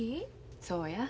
そうや。